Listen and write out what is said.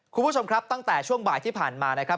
คุณผู้ชมครับตั้งแต่ช่วงบ่ายที่ผ่านมานะครับ